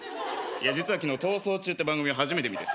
実は昨日『逃走中』って番組を初めて見てさ。